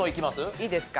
いいですか？